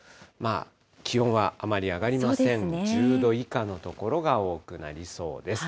気温はあまり上がりません、１０度以下の所が多くなりそうです。